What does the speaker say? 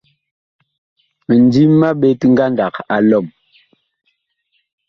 Mindim ma ɓet ngandag a lɔm.